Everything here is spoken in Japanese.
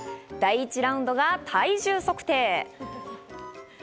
第１ラウンドが体重測定。